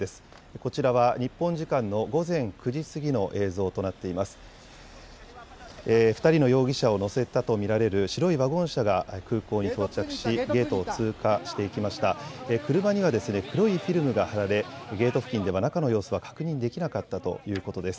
こちらは日本時間の午前９時過ぎの映像となっています。